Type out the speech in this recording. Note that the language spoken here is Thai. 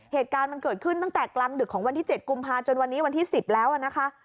เหตุการณ์มันเกิดขึ้นตั้งแต่กลางดึกของวันที่๗กุมภาจนวันนี้วันที่๑๐แล้วนะคะ